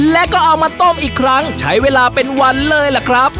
แล้วก็เอามาต้มอีกครั้งใช้เวลาเป็นวันเลยล่ะครับ